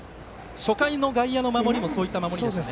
初回の外野の守りもそういった守りですね。